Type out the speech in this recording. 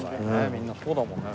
みんなそうだもんね。